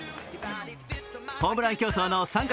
ホームラン競争の参加